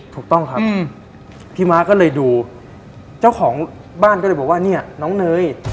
ถูกต้องครับพี่ม้าก็เลยดูเจ้าของบ้านก็เลยบอกว่าเนี่ยน้องเนย